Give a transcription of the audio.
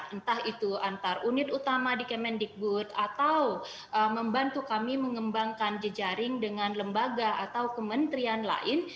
entah itu antar unit utama di kemendikbud atau membantu kami mengembangkan jejaring dengan lembaga atau kementerian lain